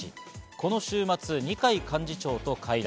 この週末、二階幹事長と会談。